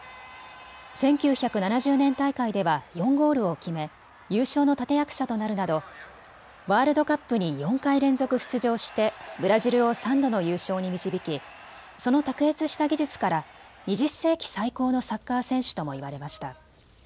１９７０年大会では４ゴールを決め優勝の立て役者となるなどワールドカップに４回連続出場してブラジルを３度の優勝に導きその卓越した技術から２０世紀最高のサッカー選手ともいわれました。